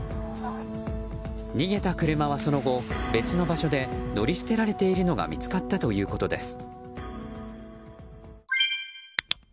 逃げた車はその後、別の場所で乗り捨てられているのが見つかったということです。